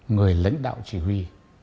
người lãnh đạo chỉ huy